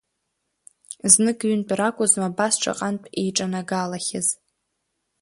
Знык, ҩынтә ракәызма, абас шаҟантә еиҿанагалахьаз.